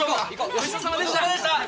ごちそうさまでした。